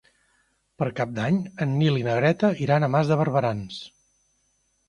Per Cap d'Any en Nil i na Greta iran a Mas de Barberans.